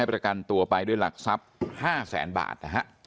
บริการตัวไปด้วยหลักทรัพย์๕แสนบาท